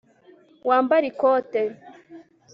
Wambare ikote